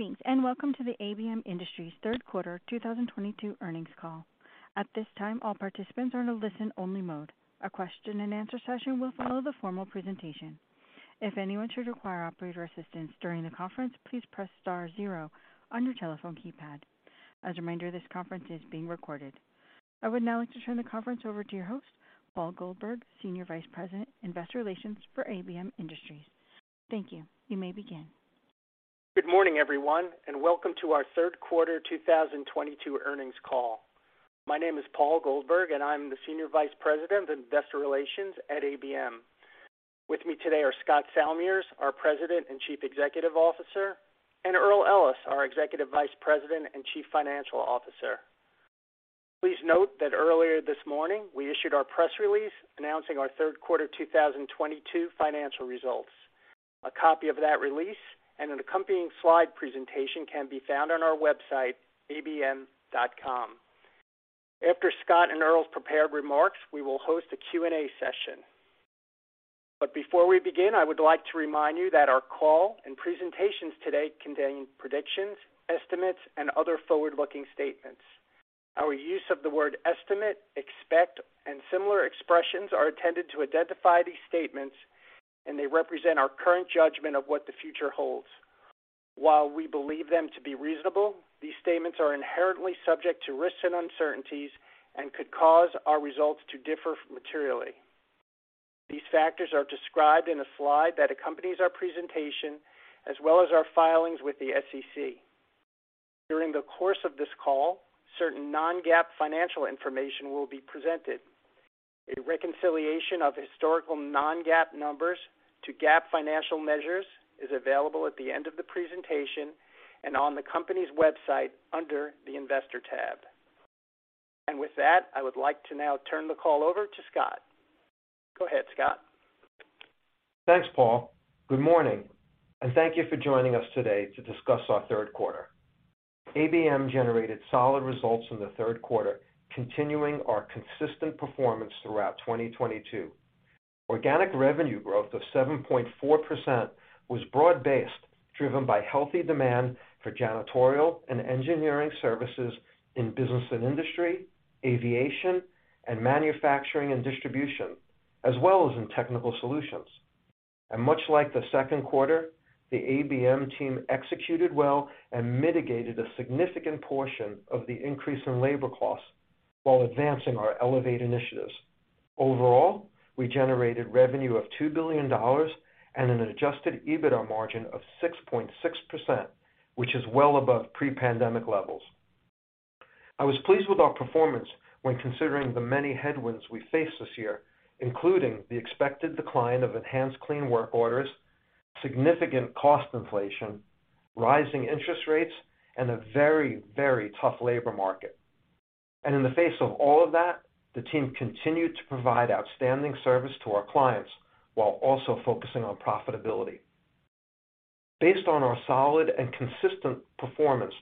Greetings, and welcome to the ABM Industries third quarter 2022 earnings call. At this time, all participants are in a listen-only mode. A question-and-answer session will follow the formal presentation. If anyone should require operator assistance during the conference, please press star zero on your telephone keypad. As a reminder, this conference is being recorded. I would now like to turn the conference over to your host, Paul Goldberg, Senior Vice President, Investor Relations for ABM Industries. Thank you. You may begin. Good morning, everyone, and welcome to our third quarter 2022 earnings call. My name is Paul Goldberg, and I'm the Senior Vice President of Investor Relations at ABM. With me today are Scott Salmirs, our President and Chief Executive Officer, and Earl Ellis, our Executive Vice President and Chief Financial Officer. Please note that earlier this morning, we issued our press release announcing our third quarter 2022 financial results. A copy of that release and an accompanying slide presentation can be found on our website, abm.com. After Scott and Earl's prepared remarks, we will host a Q&A session. Before we begin, I would like to remind you that our call and presentations today contain predictions, estimates, and other forward-looking statements. Our use of the word estimate, expect, and similar expressions are intended to identify these statements, and they represent our current judgment of what the future holds. While we believe them to be reasonable, these statements are inherently subject to risks and uncertainties and could cause our results to differ materially. These factors are described in a slide that accompanies our presentation, as well as our filings with the SEC. During the course of this call, certain non-GAAP financial information will be presented. A reconciliation of historical non-GAAP numbers to GAAP financial measures is available at the end of the presentation and on the company's website under the Investor tab. With that, I would like to now turn the call over to Scott. Go ahead, Scott. Thanks, Paul. Good morning, and thank you for joining us today to discuss our third quarter. ABM generated solid results in the third quarter, continuing our consistent performance throughout 2022. Organic revenue growth of 7.4% was broad-based, driven by healthy demand for janitorial and engineering services in business and industry, aviation and manufacturing and distribution, as well as in Technical Solutions. Much like the second quarter, the ABM team executed well and mitigated a significant portion of the increase in labor costs while advancing our ELEVATE initiatives. Overall, we generated revenue of $2 billion and an adjusted EBITDA margin of 6.6%, which is well above pre-pandemic levels. I was pleased with our performance when considering the many headwinds we faced this year, including the expected decline of enhanced clean work orders, significant cost inflation, rising interest rates, and a very, very tough labor market. In the face of all of that, the team continued to provide outstanding service to our clients while also focusing on profitability. Based on our solid and consistent performance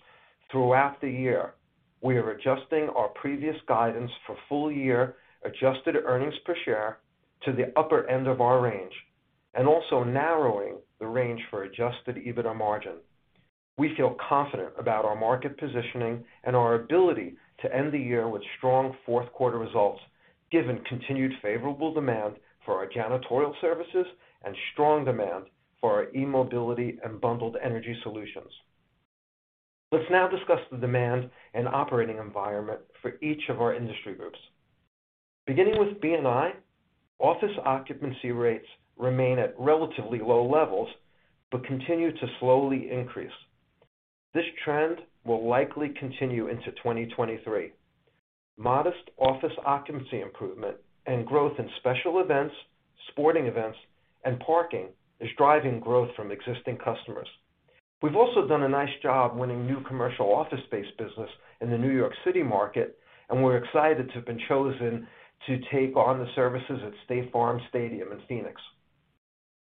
throughout the year, we are adjusting our previous guidance for full year adjusted earnings per share to the upper end of our range and also narrowing the range for adjusted EBITDA margin. We feel confident about our market positioning and our ability to end the year with strong fourth quarter results, given continued favorable demand for our janitorial services and strong demand for our eMobility and Bundled Energy Solutions. Let's now discuss the demand and operating environment for each of our industry groups. Beginning with B&I, office occupancy rates remain at relatively low levels but continue to slowly increase. This trend will likely continue into 2023. Modest office occupancy improvement and growth in special events, sporting events, and parking is driving growth from existing customers. We've also done a nice job winning new commercial office space business in the New York City market, and we're excited to have been chosen to take on the services at State Farm Stadium in Phoenix.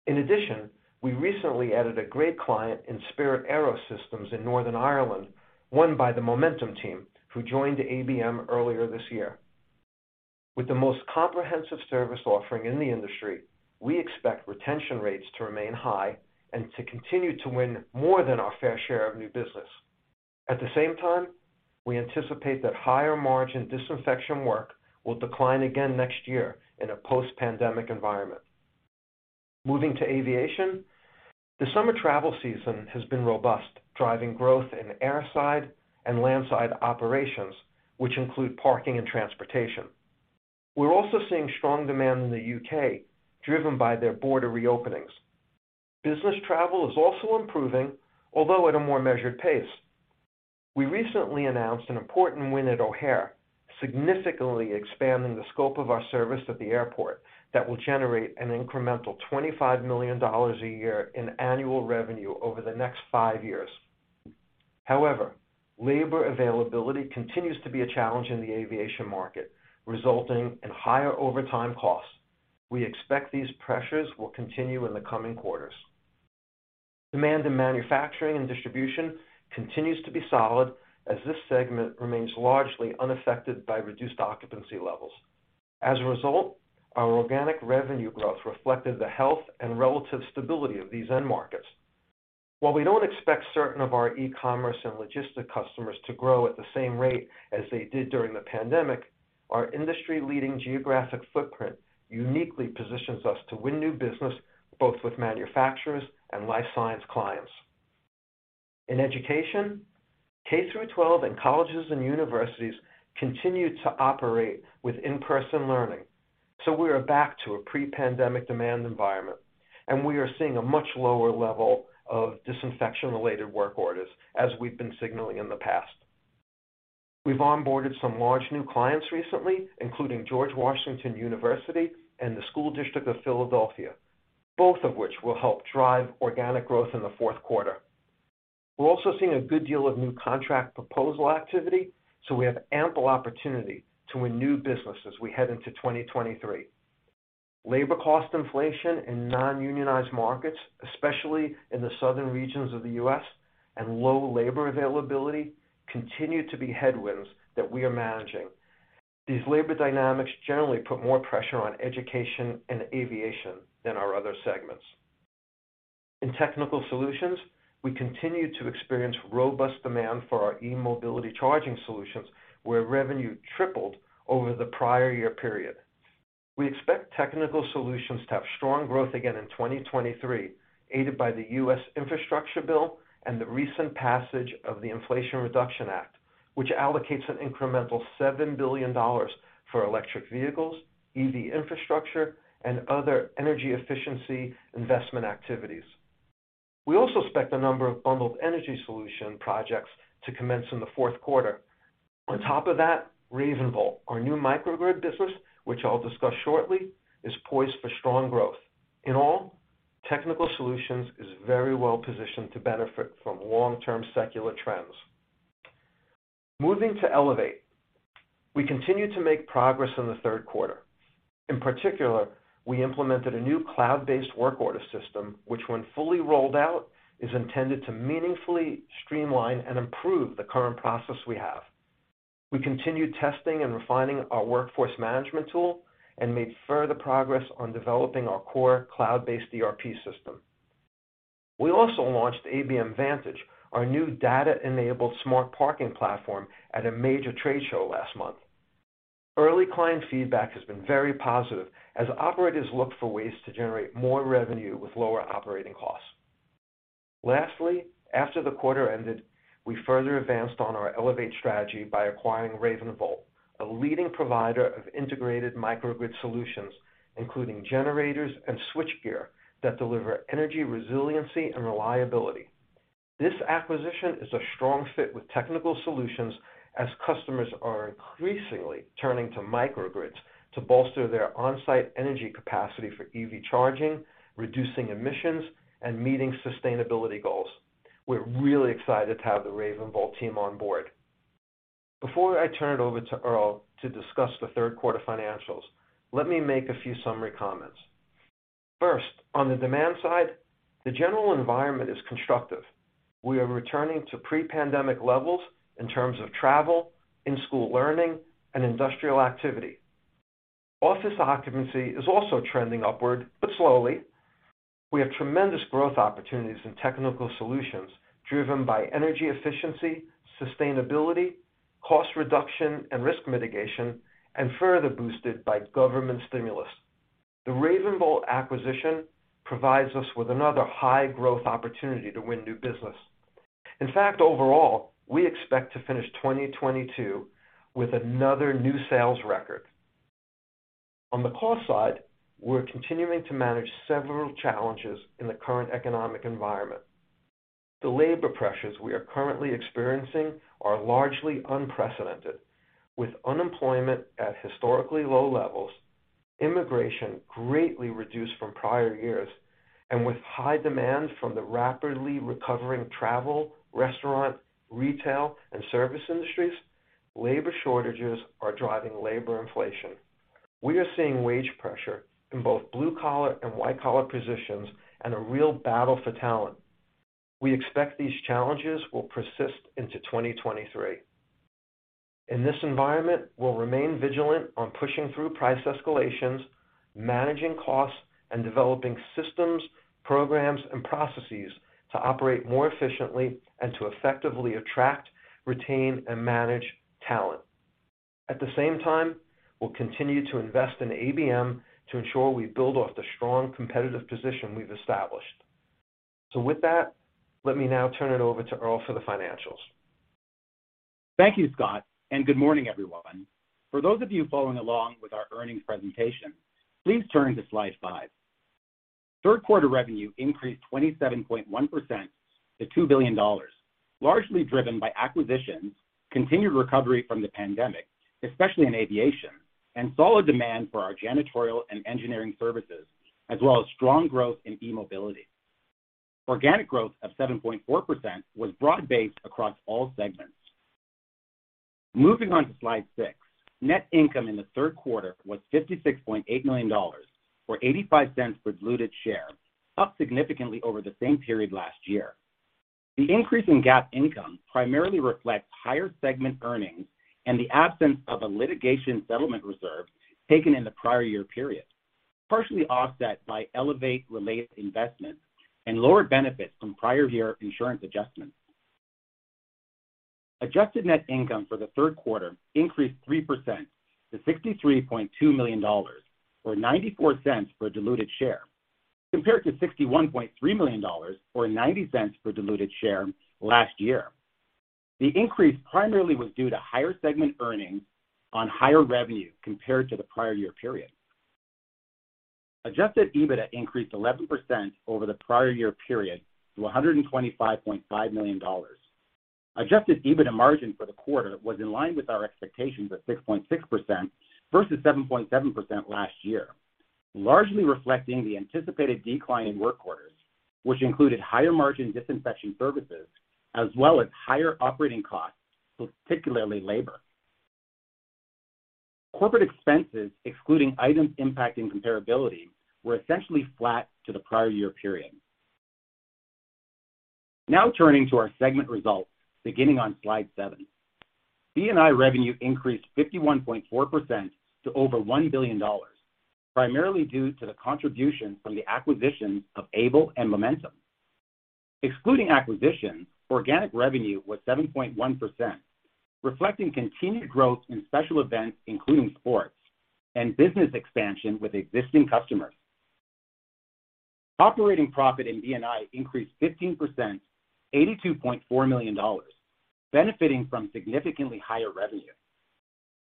In addition, we recently added a great client in Spirit AeroSystems in Northern Ireland, won by the Momentum team, who joined ABM earlier this year. With the most comprehensive service offering in the industry, we expect retention rates to remain high and to continue to win more than our fair share of new business. At the same time, we anticipate that higher margin disinfection work will decline again next year in a post-pandemic environment. Moving to aviation, the summer travel season has been robust, driving growth in airside and landside operations, which include parking and transportation. We're also seeing strong demand in the U.K., driven by their border reopenings. Business travel is also improving, although at a more measured pace. We recently announced an important win at O'Hare, significantly expanding the scope of our service at the airport that will generate an incremental $25 million a year in annual revenue over the next five years. However, labor availability continues to be a challenge in the aviation market, resulting in higher overtime costs. We expect these pressures will continue in the coming quarters. Demand in manufacturing and distribution continues to be solid, as this segment remains largely unaffected by reduced occupancy levels. As a result, our organic revenue growth reflected the health and relative stability of these end markets. While we don't expect certain of our e-commerce and logistic customers to grow at the same rate as they did during the pandemic, our industry-leading geographic footprint uniquely positions us to win new business both with manufacturers and life science clients. In education, K through 12 and colleges and universities continue to operate with in-person learning, so we are back to a pre-pandemic demand environment, and we are seeing a much lower level of disinfection-related work orders as we've been signaling in the past. We've onboarded some large new clients recently, including George Washington University and the School District of Philadelphia, both of which will help drive organic growth in the fourth quarter. We're also seeing a good deal of new contract proposal activity, so we have ample opportunity to win new business as we head into 2023. Labor cost inflation in non-unionized markets, especially in the southern regions of the U.S., and low labor availability continue to be headwinds that we are managing. These labor dynamics generally put more pressure on education and aviation than our other segments. In Technical Solutions, we continue to experience robust demand for our eMobility charging solutions, where revenue tripled over the prior year period. We expect Technical Solutions to have strong growth again in 2023, aided by the U.S. Infrastructure Bill and the recent passage of the Inflation Reduction Act, which allocates an incremental $7 billion for electric vehicles, EV infrastructure, and other energy efficiency investment activities. We also expect a number of Bundled Energy Solutions projects to commence in the fourth quarter. On top of that, RavenVolt, our new microgrid business, which I'll discuss shortly, is poised for strong growth. In all, Technical Solutions is very well-positioned to benefit from long-term secular trends. Moving to ELEVATE. We continued to make progress in the third quarter. In particular, we implemented a new cloud-based work order system, which, when fully rolled out, is intended to meaningfully streamline and improve the current process we have. We continued testing and refining our workforce management tool and made further progress on developing our core cloud-based ERP system. We also launched ABM Vantage, our new data-enabled smart parking platform, at a major trade show last month. Early client feedback has been very positive as operators look for ways to generate more revenue with lower operating costs. Lastly, after the quarter ended, we further advanced on our ELEVATE strategy by acquiring RavenVolt, a leading provider of integrated microgrid solutions, including generators and switchgear that deliver energy resiliency and reliability. This acquisition is a strong fit with Technical Solutions as customers are increasingly turning to microgrids to bolster their on-site energy capacity for EV charging, reducing emissions, and meeting sustainability goals. We're really excited to have the RavenVolt team on board. Before I turn it over to Earl to discuss the third quarter financials, let me make a few summary comments. First, on the demand side, the general environment is constructive. We are returning to pre-pandemic levels in terms of travel, in-school learning, and industrial activity. Office occupancy is also trending upward, but slowly. We have tremendous growth opportunities in Technical Solutions driven by energy efficiency, sustainability, cost reduction, and risk mitigation, and further boosted by government stimulus. The RavenVolt acquisition provides us with another high-growth opportunity to win new business. In fact, overall, we expect to finish 2022 with another new sales record. On the cost side, we're continuing to manage several challenges in the current economic environment. The labor pressures we are currently experiencing are largely unprecedented. With unemployment at historically low levels, immigration greatly reduced from prior years, and with high demand from the rapidly recovering travel, restaurant, retail, and service industries, labor shortages are driving labor inflation. We are seeing wage pressure in both blue-collar and white-collar positions and a real battle for talent. We expect these challenges will persist into 2023. In this environment, we'll remain vigilant on pushing through price escalations, managing costs, and developing systems, programs, and processes to operate more efficiently and to effectively attract, retain, and manage talent. At the same time, we'll continue to invest in ABM to ensure we build off the strong competitive position we've established. With that, let me now turn it over to Earl for the financials. Thank you, Scott, and good morning, everyone. For those of you following along with our earnings presentation, please turn to slide five. Third quarter revenue increased 27.1% to $2 billion, largely driven by acquisitions, continued recovery from the pandemic, especially in aviation, and solid demand for our janitorial and engineering services, as well as strong growth in eMobility. Organic growth of 7.4% was broad-based across all segments. Moving on to slide six. Net income in the third quarter was $56.8 million, or $0.85 per diluted share, up significantly over the same period last year. The increase in GAAP income primarily reflects higher segment earnings and the absence of a litigation settlement reserve taken in the prior year period, partially offset by ELEVATE-related investments and lower benefits from prior year insurance adjustments. Adjusted net income for the third quarter increased 3% to $63.2 million, or $0.94 per diluted share, compared to $61.3 million or $0.90 per diluted share last year. The increase primarily was due to higher segment earnings on higher revenue compared to the prior year period. Adjusted EBITDA increased 11% over the prior year period to $125.5 million. Adjusted EBITDA margin for the quarter was in line with our expectations of 6.6% versus 7.7% last year, largely reflecting the anticipated decline in work orders, which included higher margin disinfection services as well as higher operating costs, particularly labor. Corporate expenses excluding items impacting comparability were essentially flat to the prior year period. Now turning to our segment results beginning on slide seven. B&I revenue increased 51.4% to over $1 billion, primarily due to the contribution from the acquisition of Able and Momentum. Excluding acquisitions, organic revenue was 7.1%, reflecting continued growth in special events, including sports and business expansion with existing customers. Operating profit in B&I increased 15%, $82.4 million, benefiting from significantly higher revenue.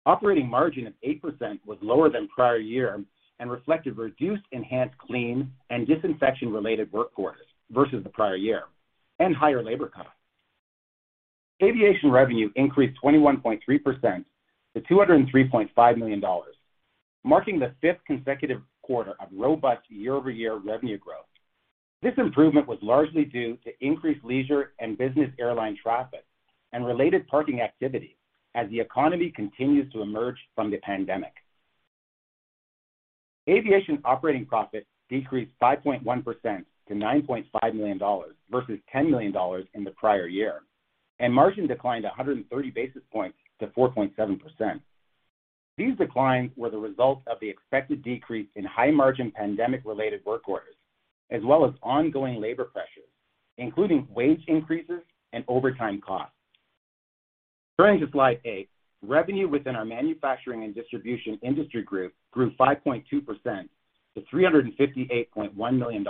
Operating margin of 8% was lower than prior year and reflected reduced enhanced clean and disinfection related work orders versus the prior year and higher labor costs. Aviation revenue increased 21.3% to $203.5 million, marking the fifth consecutive quarter of robust year-over-year revenue growth. This improvement was largely due to increased leisure and business airline traffic and related parking activity as the economy continues to emerge from the pandemic. Aviation operating profit decreased 5.1% to $9.5 million versus $10 million in the prior year, and margin declined 130 basis points to 4.7%. These declines were the result of the expected decrease in high margin pandemic-related work orders, as well as ongoing labor pressures, including wage increases and overtime costs. Turning to slide eight. Revenue within our manufacturing and distribution industry group grew 5.2% to $358.1 million,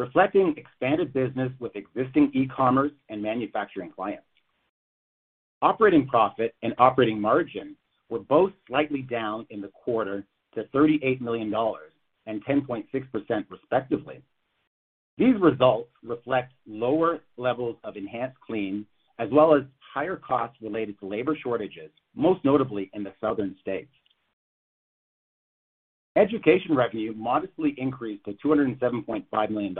reflecting expanded business with existing e-commerce and manufacturing clients. Operating profit and operating margin were both slightly down in the quarter to $38 million and 10.6% respectively. These results reflect lower levels of enhanced cleaning as well as higher costs related to labor shortages, most notably in the southern states. Education revenue modestly increased to $207.5 million,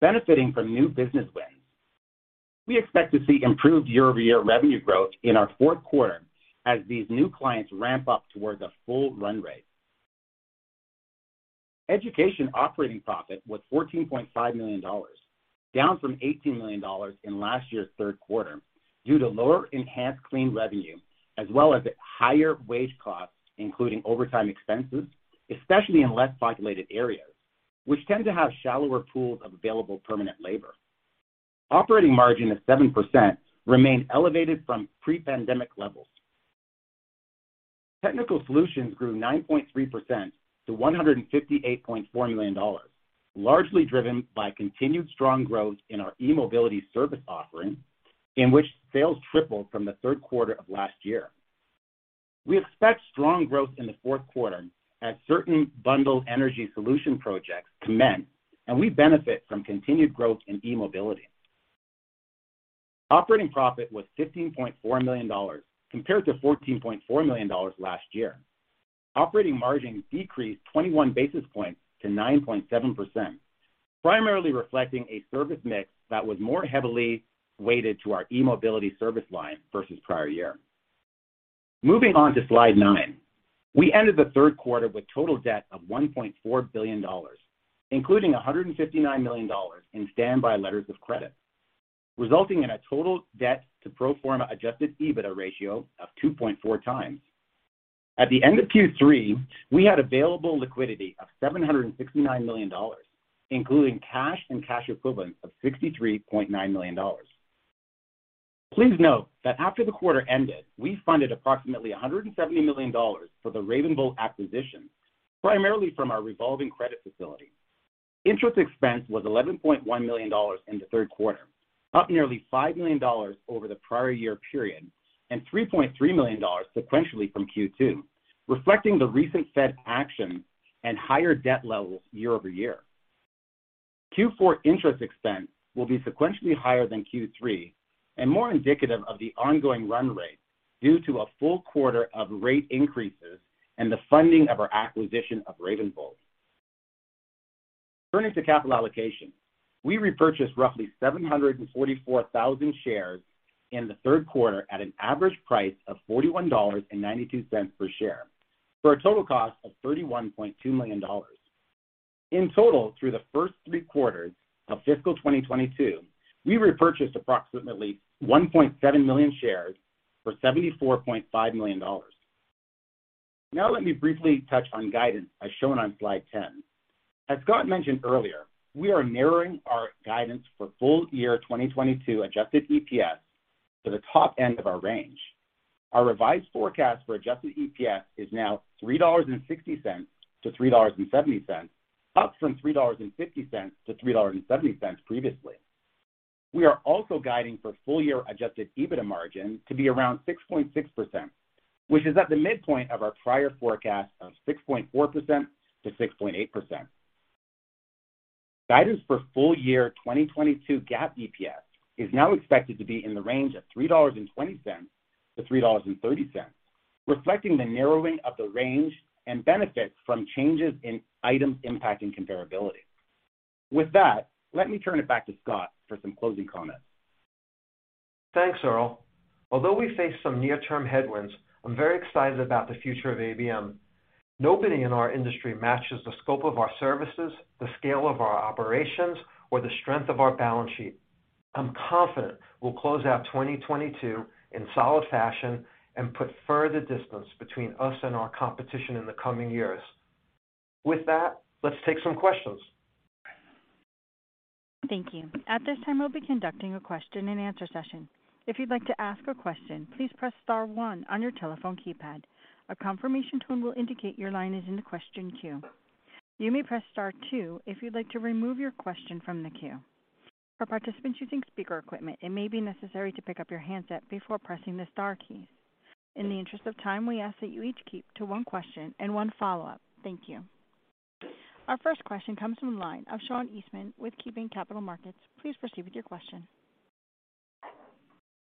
benefiting from new business wins. We expect to see improved year-over-year revenue growth in our fourth quarter as these new clients ramp up toward the full run rate. Education operating profit was $14.5 million, down from $18 million in last year's third quarter due to lower enhanced clean revenue as well as higher wage costs, including overtime expenses, especially in less populated areas, which tend to have shallower pools of available permanent labor. Operating margin of 7% remained elevated from pre-pandemic levels. Technical Solutions grew 9.3% to $158.4 million, largely driven by continued strong growth in our eMobility service offering, in which sales tripled from the third quarter of last year. We expect strong growth in the fourth quarter as certain Bundled Energy Solutions projects commence, and we benefit from continued growth in eMobility. Operating profit was $15.4 million compared to $14.4 million last year. Operating margin decreased 21 basis points to 9.7%, primarily reflecting a service mix that was more heavily weighted to our eMobility service line versus prior year. Moving on to slide nine. We ended the third quarter with total debt of $1.4 billion, including $159 million in standby letters of credit, resulting in a total debt to pro forma adjusted EBITDA ratio of 2.4x. At the end of Q3, we had available liquidity of $769 million, including cash and cash equivalents of $63.9 million. Please note that after the quarter ended, we funded approximately $170 million for the RavenVolt acquisition, primarily from our revolving credit facility. Interest expense was $11.1 million in the third quarter, up nearly $5 million over the prior year period, and $3.3 million sequentially from Q2, reflecting the recent Fed action and higher debt levels year-over-year. Q4 interest expense will be sequentially higher than Q3 and more indicative of the ongoing run rate due to a full quarter of rate increases and the funding of our acquisition of RavenVolt. Turning to capital allocation, we repurchased roughly 744,000 shares in the third quarter at an average price of $41.92 per share, for a total cost of $31.2 million. In total, through the first three quarters of fiscal 2022, we repurchased approximately 1.7 million shares for $74.5 million. Now let me briefly touch on guidance as shown on slide 10. As Scott mentioned earlier, we are narrowing our guidance for full-year 2022 adjusted EPS to the top end of our range. Our revised forecast for adjusted EPS is now $3.60-$3.70, up from $3.50-$3.70 previously. We are also guiding for full year adjusted EBITDA margin to be around 6.6%, which is at the midpoint of our prior forecast of 6.4%-6.8%. Guidance for full year 2022 GAAP EPS is now expected to be in the range of $3.20-$3.30, reflecting the narrowing of the range and benefit from changes in items impacting comparability. With that, let me turn it back to Scott for some closing comments. Thanks, Earl. Although we face some near-term headwinds, I'm very excited about the future of ABM. Nobody in our industry matches the scope of our services, the scale of our operations, or the strength of our balance sheet. I'm confident we'll close out 2022 in solid fashion and put further distance between us and our competition in the coming years. With that, let's take some questions. Thank you. At this time, we'll be conducting a question-and-answer session. If you'd like to ask a question, please press star one on your telephone keypad. A confirmation tone will indicate your line is in the question queue. You may press star two if you'd like to remove your question from the queue. For participants using speaker equipment, it may be necessary to pick up your handset before pressing the star keys. In the interest of time, we ask that you each keep to one question and one follow-up. Thank you. Our first question comes from the line of Sean Eastman with KeyBanc Capital Markets. Please proceed with your question.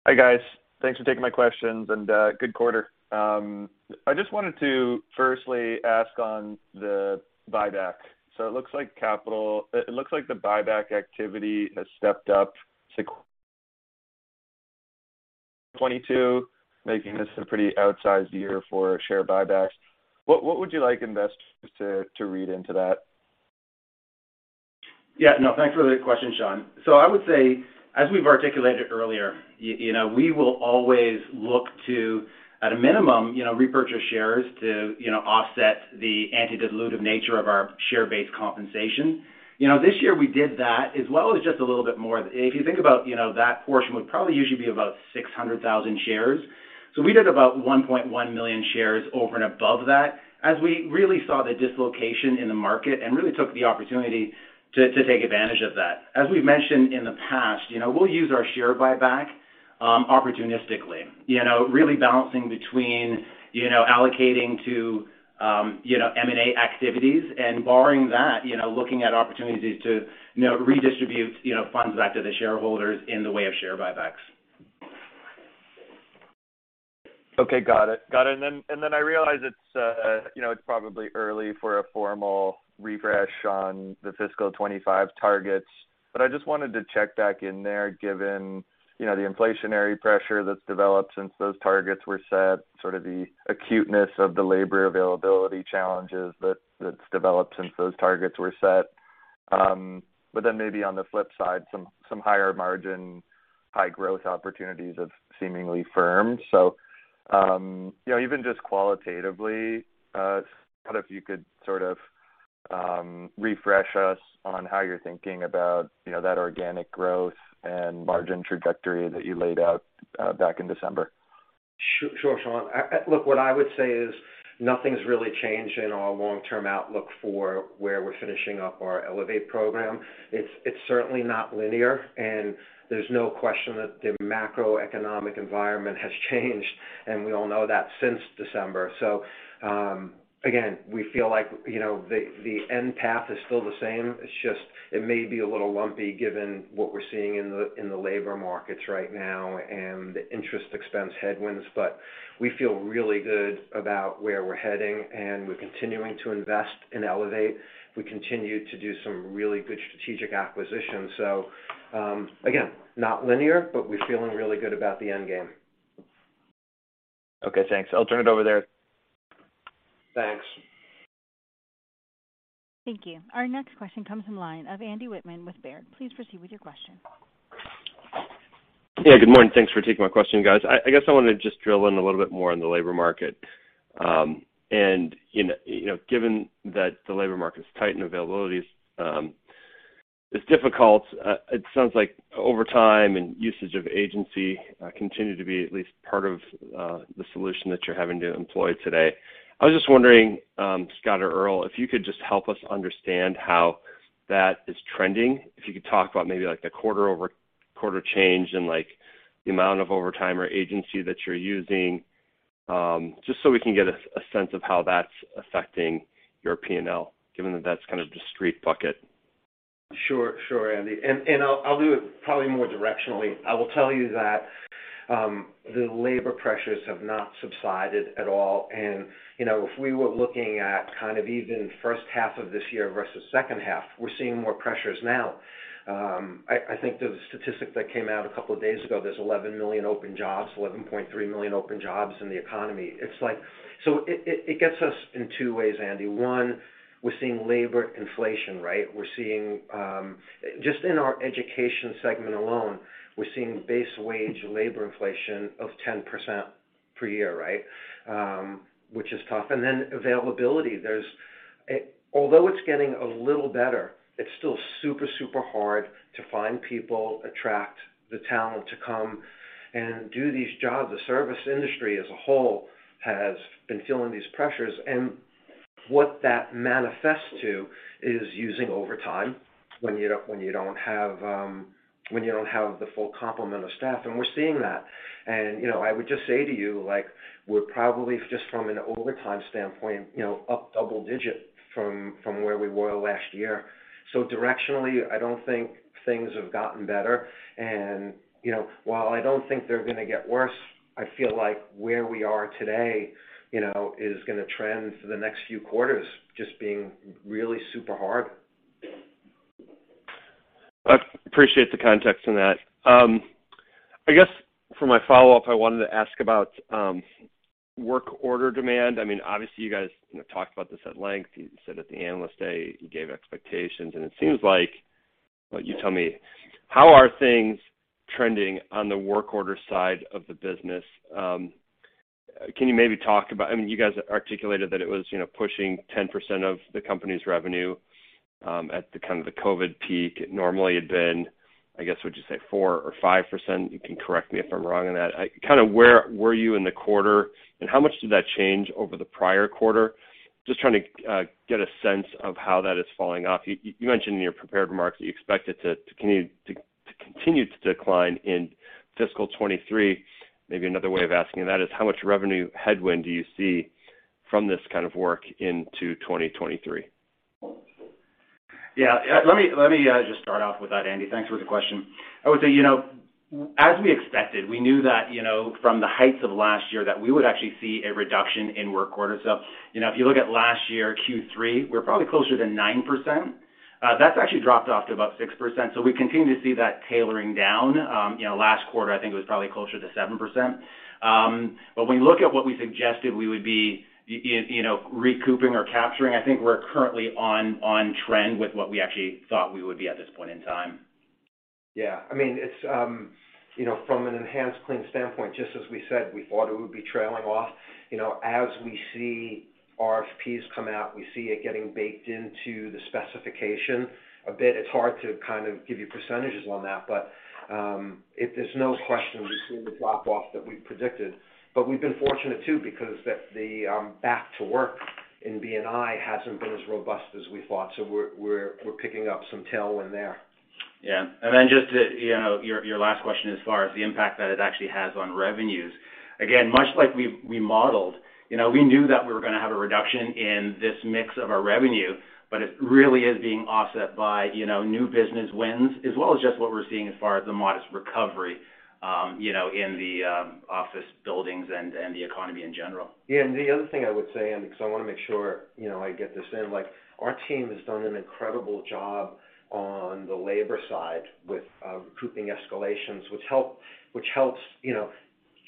Hi, guys. Thanks for taking my questions and good quarter. I just wanted to firstly ask on the buyback. It looks like the buyback activity has stepped up since 2022, making this a pretty outsized year for share buybacks. What would you like investors to read into that? Yeah, no, thanks for the question, Sean. I would say, as we've articulated earlier, you know, we will always look to at a minimum, you know, repurchase shares to, you know, offset the anti-dilutive nature of our share-based compensation. You know, this year we did that as well as just a little bit more. If you think about, you know, that portion would probably usually be about 600,000 shares. We did about 1.1 million shares over and above that, as we really saw the dislocation in the market and really took the opportunity to take advantage of that. As we've mentioned in the past, you know, we'll use our share buyback opportunistically, you know, really balancing between, you know, allocating to, you know, M&A activities, and barring that, you know, looking at opportunities to, you know, redistribute, you know, funds back to the shareholders in the way of share buybacks. Okay, got it. I realize it's you know, it's probably early for a formal refresh on the fiscal 2025 targets, but I just wanted to check back in there given, you know, the inflationary pressure that's developed since those targets were set, sort of the acuteness of the labor availability challenges that's developed since those targets were set. Maybe on the flip side, some higher margin, high growth opportunities have seemingly firmed. You know, even just qualitatively, Scott, if you could sort of refresh us on how you're thinking about, you know, that organic growth and margin trajectory that you laid out back in December. Sure, Sean. Look, what I would say is nothing's really changed in our long-term outlook for where we're finishing up our ELEVATE program. It's certainly not linear, and there's no question that the macroeconomic environment has changed, and we all know that since December. Again, we feel like, you know, the end path is still the same. It's just, it may be a little lumpy given what we're seeing in the labor markets right now and the interest expense headwinds. But we feel really good about where we're heading, and we're continuing to invest in ELEVATE. We continue to do some really good strategic acquisitions. Again, not linear, but we're feeling really good about the end game. Okay, thanks. I'll turn it over there. Thanks. Thank you. Our next question comes from the line of Andy Wittmann with Baird. Please proceed with your question. Yeah, good morning. Thanks for taking my question, guys. I guess I wanted to just drill in a little bit more on the labor market. You know, given that the labor market is tight and availability is difficult, it sounds like overtime and usage of agency continue to be at least part of the solution that you're having to employ today. I was just wondering, Scott or Earl, if you could just help us understand how that is trending. If you could talk about maybe, like, the quarter-over-quarter change in, like, the amount of overtime or agency that you're using, just so we can get a sense of how that's affecting your P&L, given that that's kind of a discrete bucket. Sure, Andy, and I'll do it probably more directionally. I will tell you that, the labor pressures have not subsided at all. If we were looking at kind of even first half of this year versus second half, we're seeing more pressures now. I think the statistic that came out a couple of days ago, there's 11 million open jobs, 11.3 million open jobs in the economy. It gets us in two ways, Andy. One, we're seeing labor inflation, right? We're seeing, just in our education segment alone, we're seeing base wage labor inflation of 10% per year, right? Which is tough. Then availability. Although it's getting a little better, it's still super hard to find people, attract the talent to come and do these jobs. The service industry as a whole has been feeling these pressures, and what that manifests to is using overtime when you don't have the full complement of staff, and we're seeing that. You know, I would just say to you, like, we're probably just from an overtime standpoint, you know, up double digit from where we were last year. Directionally, I don't think things have gotten better. While I don't think they're gonna get worse, I feel like where we are today, you know, is gonna trend for the next few quarters just being really super hard. I appreciate the context on that. I guess for my follow-up, I wanted to ask about work order demand. I mean, obviously, you guys talked about this at length. You said at the Analyst Day, you gave expectations. You tell me, how are things trending on the work order side of the business? Can you maybe talk about. I mean, you guys articulated that it was, you know, pushing 10% of the company's revenue, at the kind of the COVID peak. It normally had been, I guess, would you say 4% or 5%? You can correct me if I'm wrong on that. Kind of where were you in the quarter, and how much did that change over the prior quarter? Just trying to get a sense of how that is falling off. You mentioned in your prepared remarks that you expect it to continue to decline in fiscal 2023. Maybe another way of asking that is how much revenue headwind do you see from this kind of work into 2023? Yeah. Let me just start off with that, Andy. Thanks for the question. I would say, you know, as we expected, we knew that, you know, from the heights of last year that we would actually see a reduction in work orders. You know, if you look at last year, Q3, we're probably closer to 9%. That's actually dropped off to about 6%. We continue to see that tailing down. You know, last quarter, I think it was probably closer to 7%. But when you look at what we suggested we would be, you know, recouping or capturing, I think we're currently on trend with what we actually thought we would be at this point in time. Yeah. I mean, it's you know, from an enhanced clean standpoint, just as we said, we thought it would be trailing off. You know, as we see RFPs come out, we see it getting baked into the specification a bit. It's hard to kind of give you percentages on that. There's no question we're seeing the drop off that we predicted. We've been fortunate too, because the back to work in B&I hasn't been as robust as we thought. We're picking up some tailwind there. Yeah. Then just to, you know, your last question as far as the impact that it actually has on revenues. Again, much like we modeled, you know, we knew that we were gonna have a reduction in this mix of our revenue, but it really is being offset by, you know, new business wins, as well as just what we're seeing as far as the modest recovery, you know, in the office buildings and the economy in general. Yeah. The other thing I would say, and because I wanna make sure, you know, I get this in, like our team has done an incredible job on the labor side with recouping escalations, which helps, you know,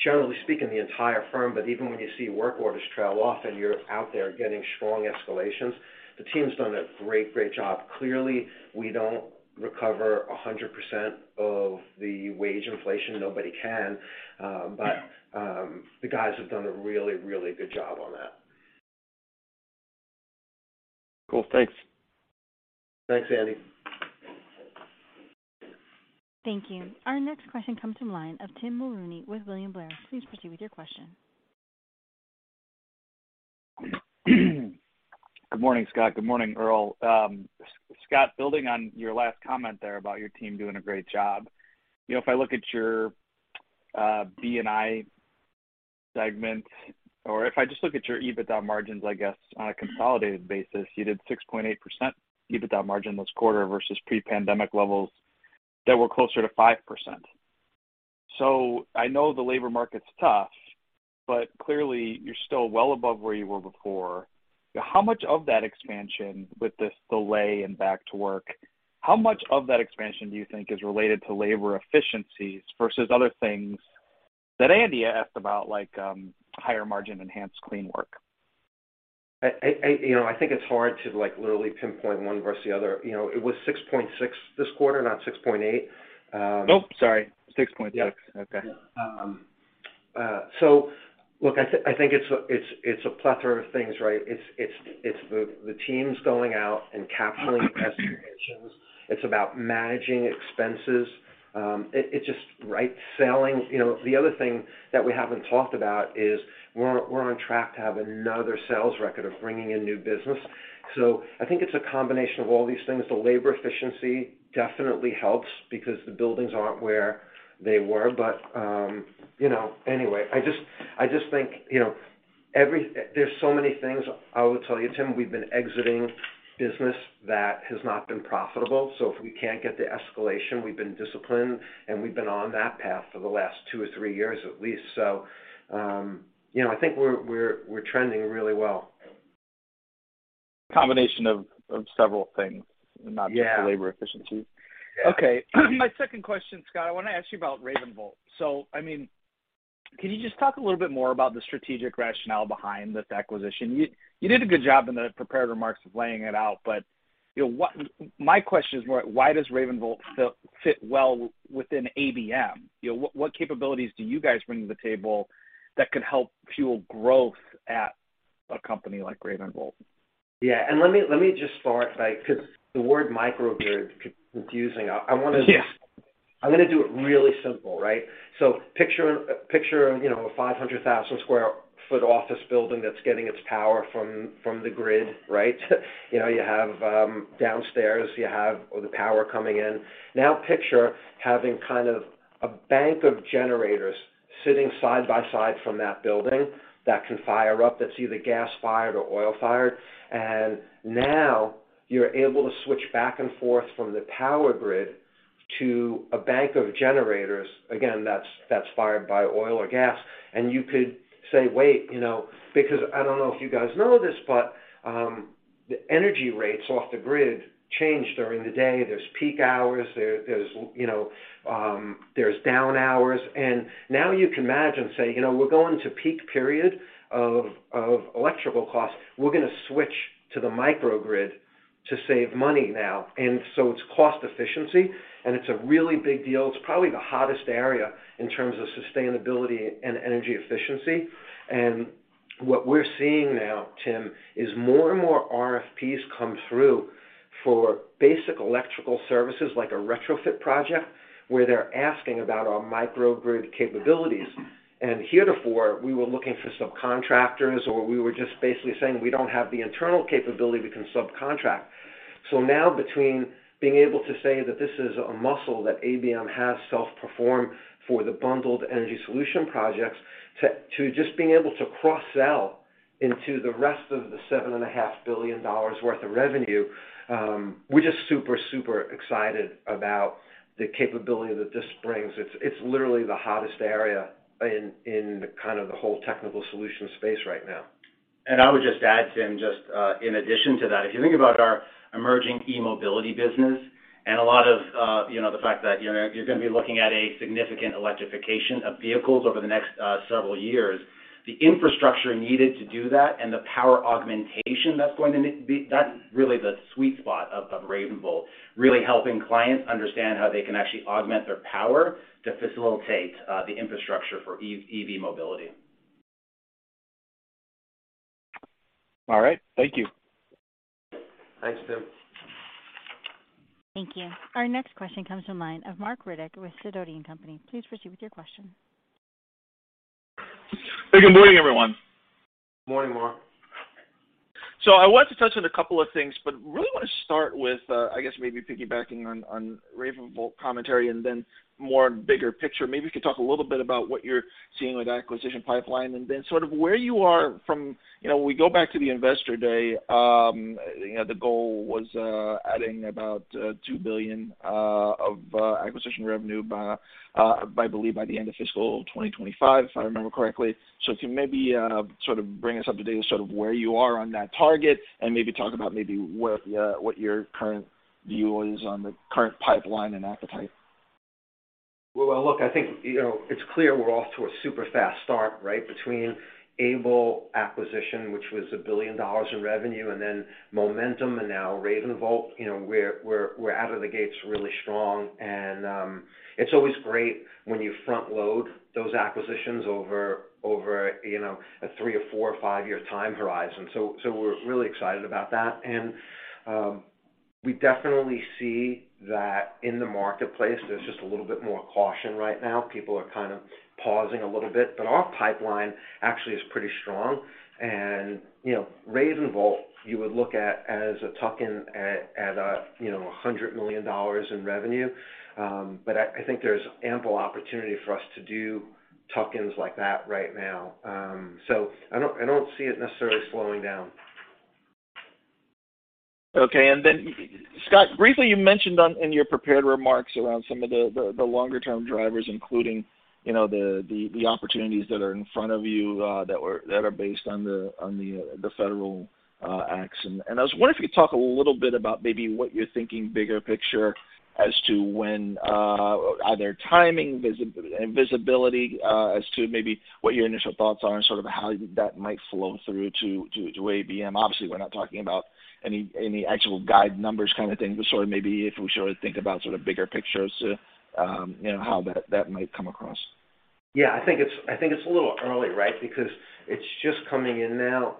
generally speaking, the entire firm. Even when you see work orders trail off and you're out there getting strong escalations, the team's done a great job. Clearly, we don't recover 100% of the wage inflation. Nobody can. The guys have done a really good job on that. Cool. Thanks. Thanks, Andy. Thank you. Our next question comes from the line of Tim Mulrooney with William Blair. Please proceed with your question. Good morning, Scott. Good morning, Earl. Scott, building on your last comment there about your team doing a great job. You know, if I look at your B&I segment, or if I just look at your EBITDA margins, I guess, on a consolidated basis, you did 6.8% EBITDA margin this quarter versus pre-pandemic levels that were closer to 5%. I know the labor market's tough, but clearly you're still well above where you were before. How much of that expansion with this delay in back to work, how much of that expansion do you think is related to labor efficiencies versus other things that Andy asked about, like higher margin enhanced clean work? You know, I think it's hard to, like, literally pinpoint one versus the other. You know, it was 6.6% this quarter, not 6.8%. Oh, sorry. 6.6%. Yeah. Okay. I think it's a plethora of things, right? It's the teams going out and capturing escalations. It's about managing expenses. It's just right selling. You know, the other thing that we haven't talked about is we're on track to have another sales record of bringing in new business. I think it's a combination of all these things. The labor efficiency definitely helps because the buildings aren't where they were. You know, anyway, I just think there's so many things I would tell you, Tim. We've been exiting business that has not been profitable, so if we can't get the escalation, we've been disciplined, and we've been on that path for the last two or three years at least. You know, I think we're trending really well. Combination of several things, not just the labor efficiency. Yeah. Okay. My second question, Scott, I want to ask you about RavenVolt. I mean, can you just talk a little bit more about the strategic rationale behind this acquisition? You did a good job in the prepared remarks of laying it out, but, you know, what my question is more why does RavenVolt fit well within ABM? You know, what capabilities do you guys bring to the table that could help fuel growth at a company like RavenVolt? Yeah. Let me just start by 'cause the word microgrid could be confusing. I wanna- Yeah. I'm gonna do it really simple, right? Picture you know a 500,000 sq ft office building that's getting its power from the grid, right? You know you have downstairs you have all the power coming in. Now picture having kind of a bank of generators sitting side by side from that building that can fire up that's either gas-fired or oil-fired. Now you're able to switch back and forth from the power grid to a bank of generators again that's fired by oil or gas. You could say wait you know because I don't know if you guys know this but the energy rates off the grid change during the day. There's peak hours there's you know there's down hours. Now you can imagine say you know we're going to peak period of electrical costs. We're gonna switch to the microgrid to save money now. It's cost efficiency, and it's a really big deal. It's probably the hottest area in terms of sustainability and energy efficiency. What we're seeing now, Tim, is more and more RFPs come through for basic electrical services like a retrofit project, where they're asking about our microgrid capabilities. Heretofore, we were looking for subcontractors, or we were just basically saying, we don't have the internal capability, we can subcontract. Now between being able to say that this is a muscle that ABM has self-performed for the Bundled Energy Solutions projects, to just being able to cross-sell into the rest of the $7.5 billion worth of revenue, we're just super excited about the capability that this brings. It's literally the hottest area in kind of the whole Technical Solutions space right now. I would just add, Tim, in addition to that. If you think about our emerging eMobility business and a lot of, you know, the fact that, you know, you're gonna be looking at a significant electrification of vehicles over the next several years, the infrastructure needed to do that and the power augmentation that's going to be that's really the sweet spot of RavenVolt. Really helping clients understand how they can actually augment their power to facilitate the infrastructure for EV mobility. All right. Thank you. Thanks, Tim. Thank you. Our next question comes from line of Marc Riddick with Sidoti & Company. Please proceed with your question. Hey, good morning, everyone. Morning, Marc. I want to touch on a couple of things, but really want to start with, I guess maybe piggybacking on RavenVolt commentary and then the bigger picture. Maybe you could talk a little bit about what you're seeing with acquisition pipeline and then sort of where you are. You know, when we go back to the Investor Day, you know, the goal was adding about $2 billion of acquisition revenue by, I believe, the end of fiscal 2025, if I remember correctly. If you maybe sort of bring us up to date on sort of where you are on that target and maybe talk about what your current view is on the current pipeline and appetite. Well, look, I think, you know, it's clear we're off to a super fast start, right? Between Able acquisition, which was $1 billion in revenue, and then Momentum and now RavenVolt. You know, we're out of the gates really strong. It's always great when you front load those acquisitions over, you know, a three- or four- or five-year time horizon. We're really excited about that. We definitely see that in the marketplace, there's just a little bit more caution right now. People are kind of pausing a little bit. Our pipeline actually is pretty strong. You know, RavenVolt, you would look at as a tuck-in at, you know, $100 million in revenue. But I think there's ample opportunity for us to do tuck-ins like that right now. I don't see it necessarily slowing down. Okay. Scott, briefly, you mentioned in your prepared remarks around some of the longer-term drivers, including, you know, the opportunities that are in front of you that are based on the federal acts. I was wondering if you could talk a little bit about maybe what you're thinking bigger picture as to when, either timing and visibility, as to maybe what your initial thoughts are and sort of how that might flow through to ABM. Obviously, we're not talking about any actual guide numbers kind of thing, but sort of maybe if we should think about sort of bigger pictures to, you know, how that might come across. Yeah, I think it's a little early, right? Because it's just coming in now,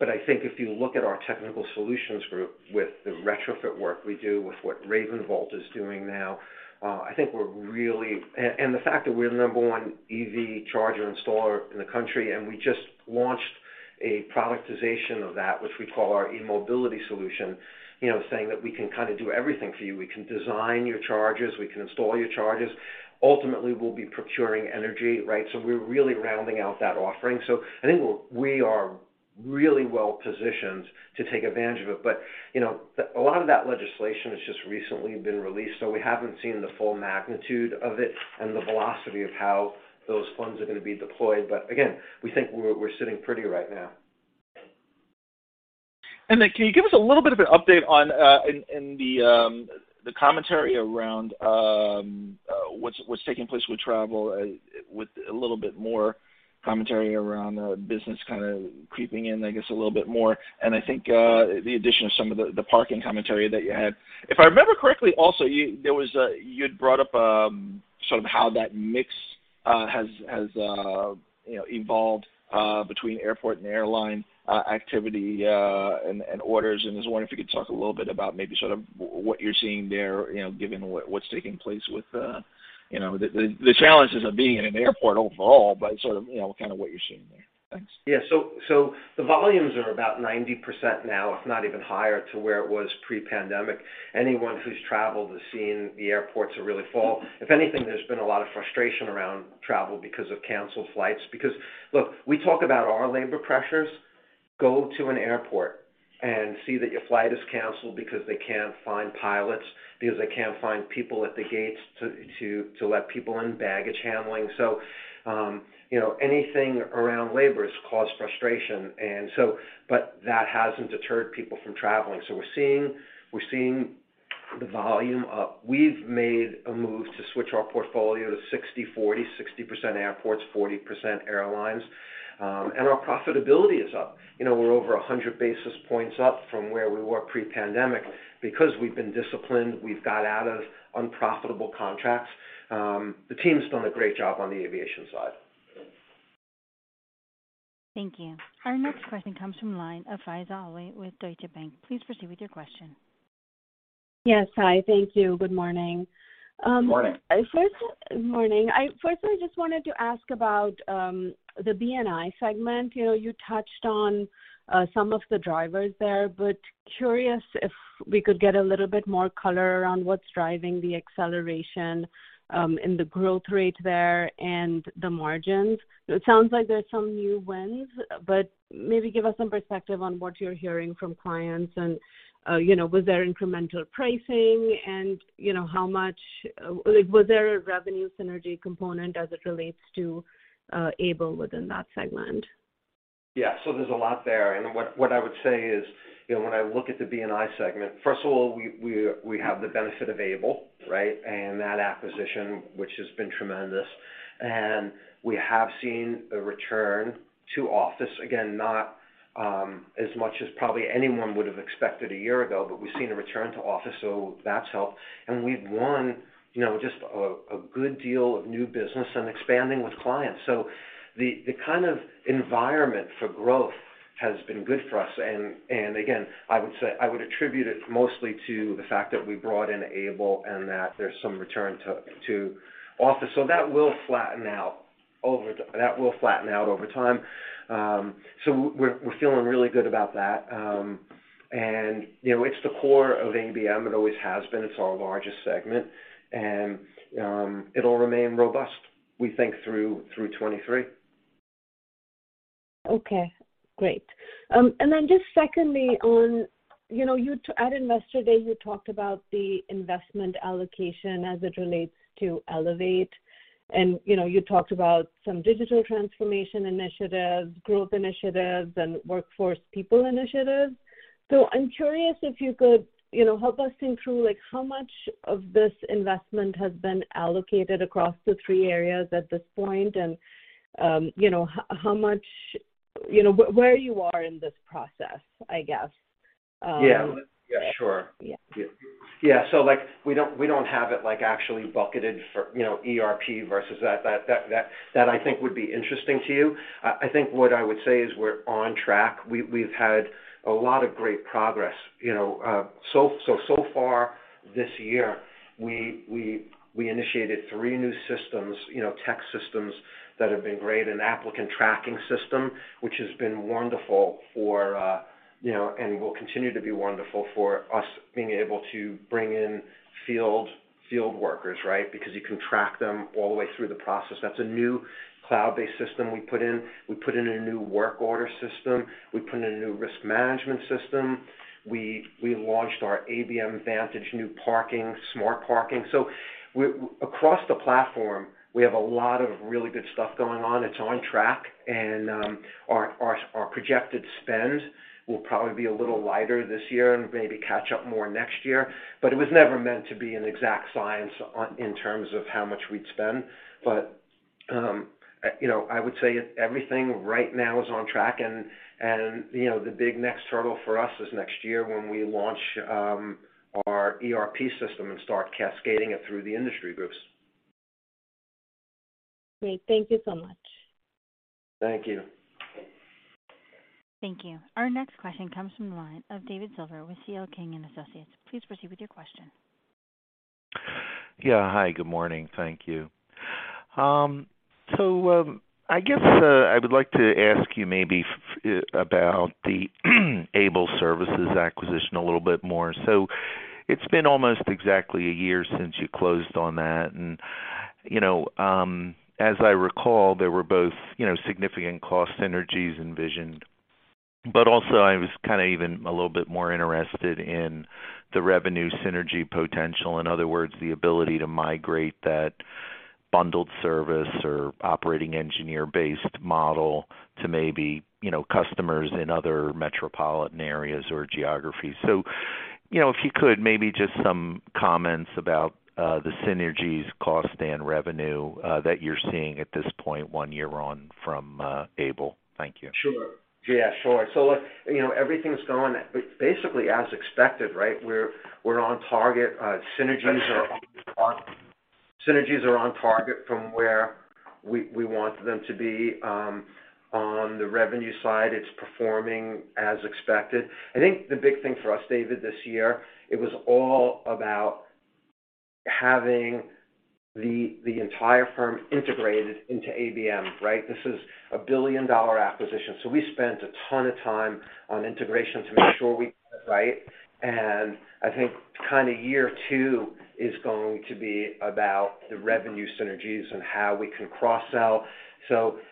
but I think if you look at our Technical Solutions group with the retrofit work we do, with what RavenVolt is doing now, I think we're really, and the fact that we're the number one EV charger installer in the country, and we just launched a productization of that, which we call our eMobility solution. You know, saying that we can kinda do everything for you. We can design your chargers, we can install your chargers. Ultimately, we'll be procuring energy, right? We're really rounding out that offering. I think we are really well positioned to take advantage of it. You know, a lot of that legislation has just recently been released, so we haven't seen the full magnitude of it and the velocity of how those funds are gonna be deployed. Again, we think we're sitting pretty right now. Then can you give us a little bit of an update on the commentary around what's taking place with travel, with a little bit more commentary around the business kind of creeping in, I guess, a little bit more. I think the addition of some of the parking commentary that you had. If I remember correctly, also you had brought up sort of how that mix has, you know, evolved between airport and airline activity and orders. I was wondering if you could talk a little bit about maybe sort of what you're seeing there, you know, given what's taking place with, you know, the challenges of being in an airport overall, but sort of, you know, kind of what you're seeing there. Thanks. Yeah. So the volumes are about 90% now, if not even higher, to where it was pre-pandemic. Anyone who's traveled has seen the airports are really full. If anything, there's been a lot of frustration around travel because of canceled flights. Because look, we talk about our labor pressures. Go to an airport and see that your flight is canceled because they can't find pilots, because they can't find people at the gates to let people in baggage handling. You know, anything around labor has caused frustration. But that hasn't deterred people from traveling. So we're seeing the volume up. We've made a move to switch our portfolio to 60/40, 60% airports, 40% airlines. Our profitability is up. You know, we're over 100 basis points up from where we were pre-pandemic because we've been disciplined. We've got out of unprofitable contracts. The team's done a great job on the aviation side. Thank you. Our next question comes from line of Faiza Alwy with Deutsche Bank. Please proceed with your question. Yes. Hi. Thank you. Good morning. Morning. Morning. I firstly just wanted to ask about the B&I segment. You know, you touched on some of the drivers there, but curious if we could get a little bit more color around what's driving the acceleration and the growth rate there and the margins. It sounds like there's some new wins, but maybe give us some perspective on what you're hearing from clients and, you know, was there incremental pricing and, you know, how much like, was there a revenue synergy component as it relates to Able within that segment? There's a lot there. What I would say is, you know, when I look at the B&I segment, first of all, we have the benefit of Able, right? That acquisition, which has been tremendous. We have seen a return to office. Again, not as much as probably anyone would have expected a year ago, but we've seen a return to office, that's helped. We've won, you know, just a good deal of new business and expanding with clients. The kind of environment for growth has been good for us. Again, I would say. I would attribute it mostly to the fact that we brought in Able and that there's some return to office. That will flatten out over time. We're feeling really good about that. You know, it's the core of ABM. It always has been. It's our largest segment, and it'll remain robust, we think, through 2023. Okay, great. Just secondly on, you know, you at Investor Day, you talked about the investment allocation as it relates to ELEVATE. You know, you talked about some digital transformation initiatives, growth initiatives, and workforce people initiatives. I'm curious if you could, you know, help us think through, like how much of this investment has been allocated across the three areas at this point and, you know, how much. You know, where you are in this process, I guess. Yeah. Yeah, sure. Yeah. Yeah. Like, we don't have it, like, actually bucketed for, you know, ERP versus that I think would be interesting to you. I think what I would say is we're on track. We've had a lot of great progress. You know, so far this year, we initiated three new systems, you know, tech systems that have been great. An applicant tracking system, which has been wonderful for, you know, and will continue to be wonderful for us being able to bring in field workers, right? Because you can track them all the way through the process. That's a new cloud-based system we put in. We put in a new work order system. We put in a new risk management system. We launched our ABM Vantage new parking, smart parking. Across the platform, we have a lot of really good stuff going on. It's on track and our projected spend will probably be a little lighter this year and maybe catch up more next year. It was never meant to be an exact science in terms of how much we'd spend. You know, I would say everything right now is on track and you know, the big next hurdle for us is next year when we launch our ERP system and start cascading it through the industry groups. Great. Thank you so much. Thank you. Thank you. Our next question comes from the line of David Silver with C.L. King & Associates. Please proceed with your question. Yeah. Hi, good morning. Thank you. I guess I would like to ask you maybe about the Able Services acquisition a little bit more. It's been almost exactly a year since you closed on that. You know, as I recall, there were both, you know, significant cost synergies envisioned, but also I was kind of even a little bit more interested in the revenue synergy potential, in other words, the ability to migrate that bundled service or operating engineer-based model to maybe, you know, customers in other metropolitan areas or geographies. You know, if you could, maybe just some comments about the synergies cost and revenue that you're seeing at this point one year on from Able. Thank you. Sure. Yeah, sure. Look, you know, everything's going basically as expected, right? We're on target. Synergies are on target from where we want them to be. On the revenue side, it's performing as expected. I think the big thing for us, David, this year, it was all about having the entire firm integrated into ABM, right? This is a billion-dollar acquisition, so we spent a ton of time on integration to make sure we get it right. I think kind of year two is going to be about the revenue synergies and how we can cross-sell.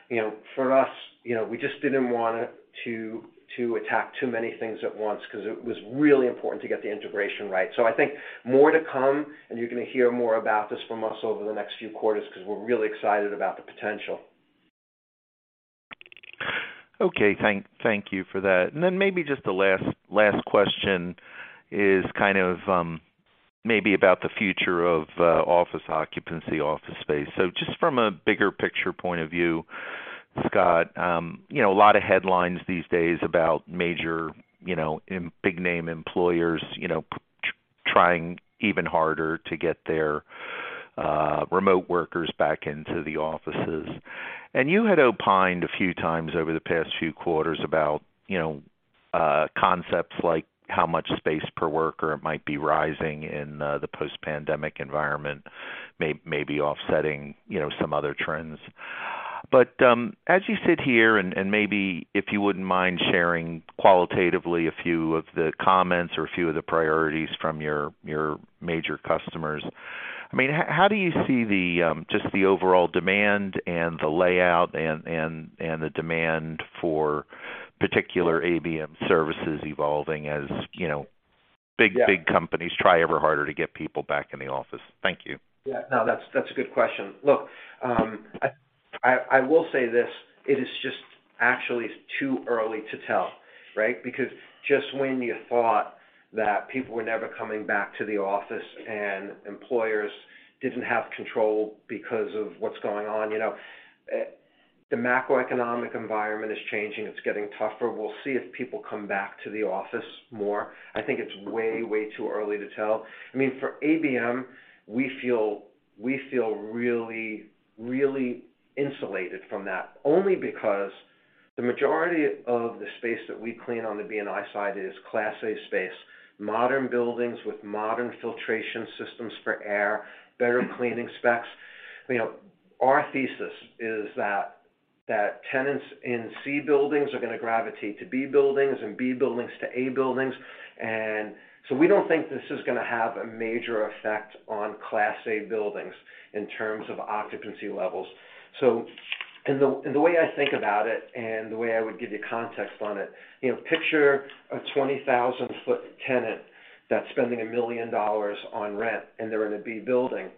You know, for us, you know, we just didn't want to attack too many things at once because it was really important to get the integration right. I think more to come, and you're gonna hear more about this from us over the next few quarters because we're really excited about the potential. Okay. Thank you for that. Maybe just the last question is kind of maybe about the future of office occupancy, office space. Just from a bigger picture point of view, Scott, you know, a lot of headlines these days about major, you know, big name employers, you know, trying even harder to get their remote workers back into the offices. You had opined a few times over the past few quarters about, you know, concepts like how much space per worker might be rising in the post-pandemic environment, may be offsetting, you know, some other trends. As you sit here, and maybe if you wouldn't mind sharing qualitatively a few of the comments or a few of the priorities from your major customers, I mean, how do you see just the overall demand and the layout and the demand for particular ABM services evolving, as you know? Yeah Big, big companies try ever harder to get people back in the office? Thank you. Yeah. No, that's a good question. Look, I will say this, it is just actually too early to tell, right? Because just when you thought that people were never coming back to the office and employers didn't have control because of what's going on, you know, the macroeconomic environment is changing. It's getting tougher. We'll see if people come back to the office more. I think it's way too early to tell. I mean, for ABM, we feel really insulated from that only because the majority of the space that we clean on the B&I side is class A space, modern buildings with modern filtration systems for air, better cleaning specs. You know, our thesis is that tenants in C buildings are gonna gravitate to B buildings and B buildings to A buildings. We don't think this is gonna have a major effect on Class A buildings in terms of occupancy levels. The way I think about it, and the way I would give you context on it, you know, picture a 20,000 ft tenant that's spending $1 million on rent, and they're in a Class B building.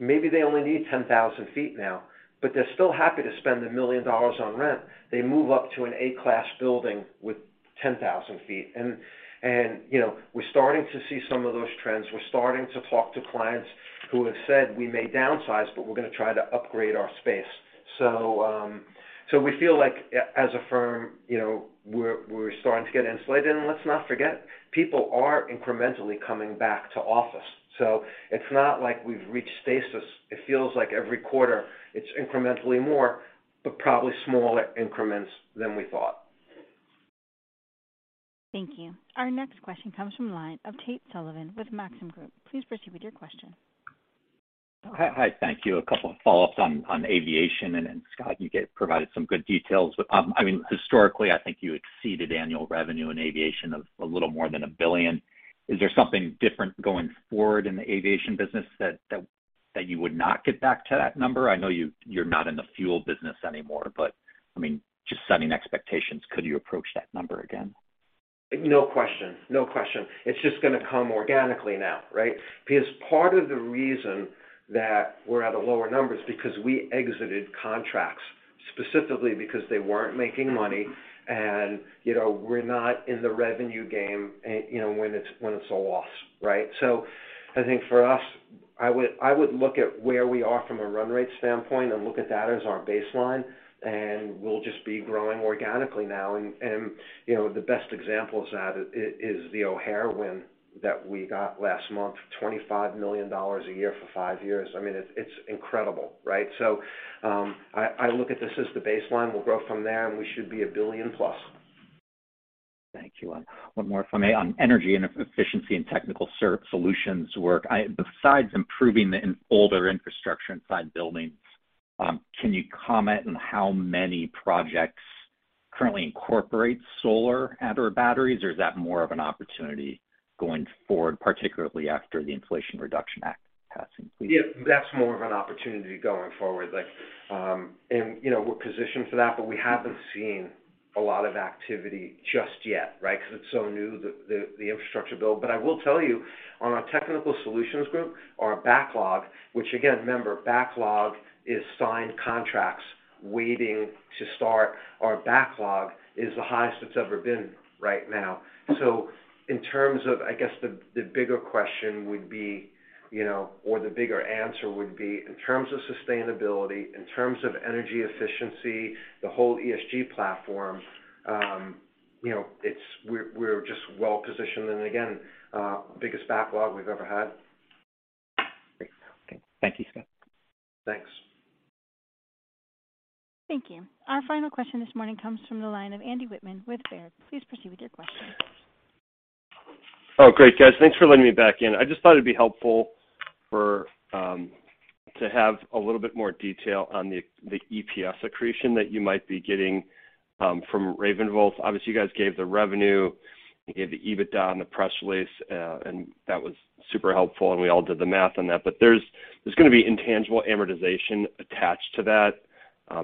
Maybe they only need 10,000 ft now, but they're still happy to spend $1 million on rent. They move up to a Class A building with 10,000 ft. You know, we're starting to see some of those trends. We're starting to talk to clients who have said, "We may downsize, but we're gonna try to upgrade our space." We feel like as a firm, you know, we're starting to get insulated. Let's not forget, people are incrementally coming back to office. It's not like we've reached stasis. It feels like every quarter it's incrementally more, but probably smaller increments than we thought. Thank you. Our next question comes from line of Tate Sullivan with Maxim Group. Please proceed with your question. Hi. Thank you. A couple of follow-ups on aviation. Scott, you provided some good details. But, I mean, historically, I think you exceeded annual revenue in aviation of a little more than $1 billion. Is there something different going forward in the aviation business that you would not get back to that number? I know you're not in the fuel business anymore, but I mean, just setting expectations, could you approach that number again? No question. It's just gonna come organically now, right? Because part of the reason that we're at a lower number is because we exited contracts, specifically because they weren't making money. You know, we're not in the revenue game, you know, when it's a loss, right? I think for us, I would look at where we are from a run rate standpoint and look at that as our baseline, and we'll just be growing organically now. You know, the best example of that is the O'Hare win that we got last month, $25 million a year for five years. I mean, it's incredible, right? I look at this as the baseline. We'll grow from there, and we should be a billion plus. Thank you. One more if I may. On energy and efficiency and technical solutions work, besides improving the older infrastructure inside buildings, can you comment on how many projects currently incorporate solar and/or batteries, or is that more of an opportunity going forward, particularly after the Inflation Reduction Act passing, please? Yeah. That's more of an opportunity going forward. You know, we're positioned for that, but we haven't seen a lot of activity just yet, right? 'Cause it's so new, the infrastructure bill. I will tell you on our Technical Solutions group, our backlog, which again, remember, backlog is signed contracts waiting to start. Our backlog is the highest it's ever been right now. In terms of, I guess, the bigger question would be, you know, or the bigger answer would be, in terms of sustainability, in terms of energy efficiency, the whole ESG platform, you know, we're just well-positioned and again, biggest backlog we've ever had. Great. Okay. Thank you, Scott. Thanks. Thank you. Our final question this morning comes from the line of Andy Wittmann with Baird. Please proceed with your question. Oh, great, guys. Thanks for letting me back in. I just thought it'd be helpful for to have a little bit more detail on the EPS accretion that you might be getting from RavenVolt. Obviously, you guys gave the revenue, you gave the EBITDA in the press release, and that was super helpful, and we all did the math on that. There's gonna be intangible amortization attached to that,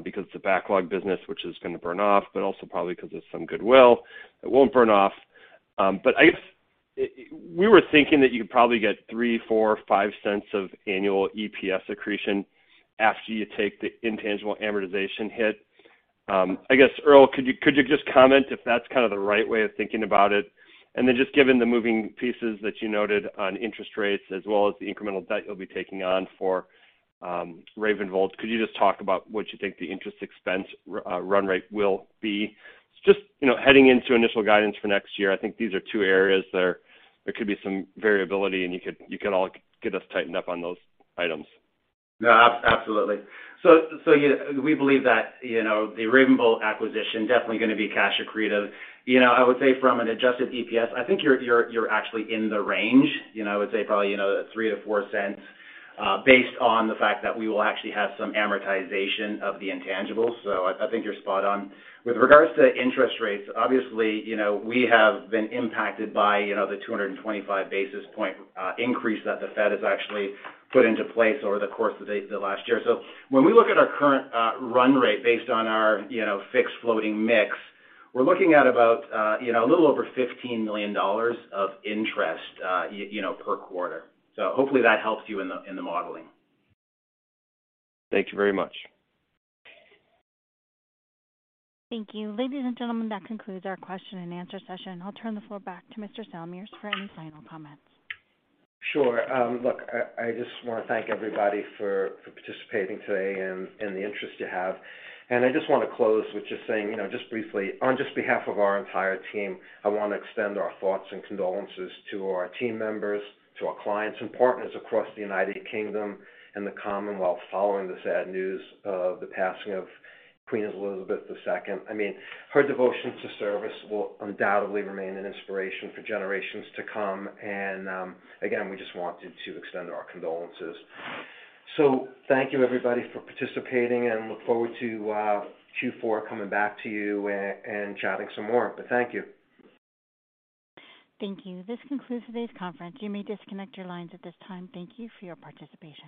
because the backlog business which is gonna burn off, but also probably 'cause there's some goodwill that won't burn off. I guess we were thinking that you could probably get $0.03, $0.04, $0.05 of annual EPS accretion after you take the intangible amortization hit. I guess, Earl, could you just comment if that's kinda the right way of thinking about it? Just given the moving pieces that you noted on interest rates as well as the incremental debt you'll be taking on for RavenVolt, could you just talk about what you think the interest expense run rate will be? Just, you know, heading into initial guidance for next year, I think these are two areas there could be some variability, and you could all get us tightened up on those items. No, absolutely. Yeah, we believe that, you know, the RavenVolt acquisition definitely gonna be cash accretive. You know, I would say from an adjusted EPS, I think you're actually in the range. You know, I would say probably, you know, $0.03-$0.04, based on the fact that we will actually have some amortization of the intangibles, so I think you're spot on. With regards to interest rates, obviously, you know, we have been impacted by, you know, the 225 basis point increase that the Fed has actually put into place over the course of the last year. When we look at our current run rate based on our, you know, fixed floating mix, we're looking at about, you know, a little over $15 million of interest, you know, per quarter. Hopefully that helps you in the modeling. Thank you very much. Thank you. Ladies and gentlemen, that concludes our question and answer session. I'll turn the floor back to Mr. Salmirs for any final comments. Sure. Look, I just wanna thank everybody for participating today and the interest you have. I just wanna close with just saying, you know, just briefly on just behalf of our entire team, I wanna extend our thoughts and condolences to our team members, to our clients and partners across the United Kingdom and the Commonwealth following the sad news of the passing of Queen Elizabeth II. I mean, her devotion to service will undoubtedly remain an inspiration for generations to come. Again, we just wanted to extend our condolences. Thank you everybody for participating, and look forward to Q4 coming back to you and chatting some more. Thank you. Thank you. This concludes today's conference. You may disconnect your lines at this time. Thank you for your participation.